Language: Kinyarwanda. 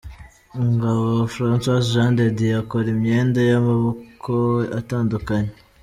Ngabo Francois Jean de Dieu akora imyenda y'amoko atandukanye.